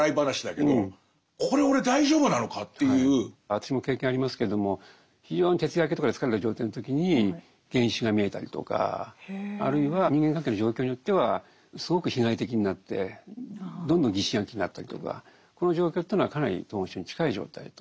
私も経験ありますけれども非常に徹夜明けとかで疲れた状態の時に幻視が見えたりとかあるいは人間関係の状況によってはすごく被害的になってどんどん疑心暗鬼になったりとかこの状況というのはかなり統合失調症に近い状態と。